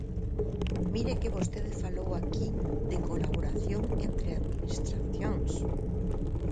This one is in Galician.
¡Mire que vostede falou aquí de colaboración entre administracións!